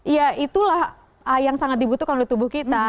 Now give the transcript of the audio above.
ya itulah yang sangat dibutuhkan oleh tubuh kita